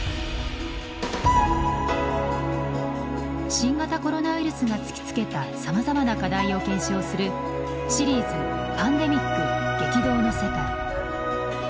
新型コロナウイルスが突きつけたさまざまな課題を検証するシリーズ「パンデミック激動の世界」。